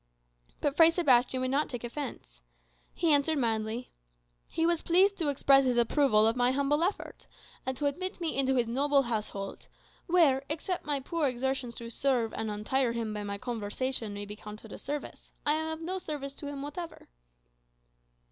But Fray Sebastian would not take offence. He answered mildly, "He was pleased to express his approval of my humble effort, and to admit me into his noble household; where, except my poor exertions to amuse and untire him by my conversation may be accounted a service, I am of no service to him whatever."